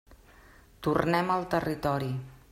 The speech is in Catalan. Tornem al territori.